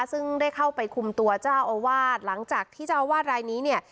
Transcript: ซึ่งได้เข้าไปคุมตัวเจ้าอาวาสหลังจากที่เจ้าอาวาสรายนี้เนี่ย